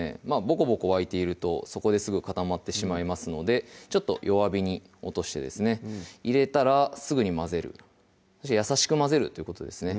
ボコボコ沸いているとそこですぐ固まってしまいますのでちょっと弱火に落としてですね入れたらすぐに混ぜる優しく混ぜるということですね